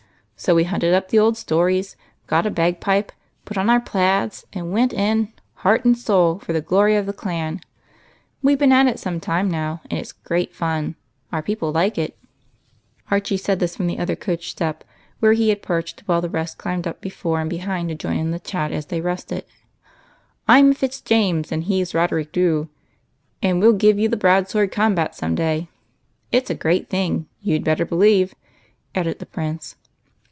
So we hunted up the old stories, got a bagpipe, put on our plaids, and went in, heart and soul, for the glory of the clan. We've been at it some time now, and it 's great fun. Our peojDle like it, and I think we are a pretty canny set." Archie said this from the other coach step, where he had perched, while the rest climbed up before and behind to join in the chat as they rested. "I'm Fitzjames and he 's Roderick Dhu, and we '11 give you the broadsword combat some day. It's a great thing, you 'd better believe," added the Prince.